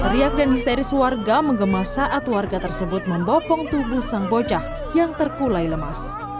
teriak dan histeris warga mengemas saat warga tersebut membopong tubuh sang bocah yang terkulai lemas